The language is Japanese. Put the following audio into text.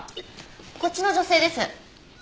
こっちの女性です。